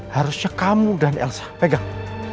harusnya kamu dan elsa pegang